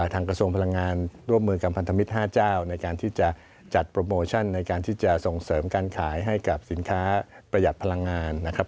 กระทรวงพลังงานร่วมมือกับพันธมิตร๕เจ้าในการที่จะจัดโปรโมชั่นในการที่จะส่งเสริมการขายให้กับสินค้าประหยัดพลังงานนะครับ